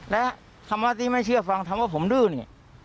และคำว่าที่ไม่เชื่อฟังคำว่าผมดื้อเนี่ย